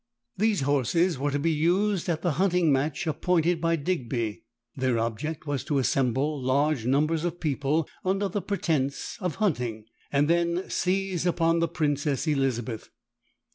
These horses were to be used at the hunting match appointed by Digby. Their object was to assemble large numbers of people under the pretence of hunting, and then seize upon the Princess Elizabeth.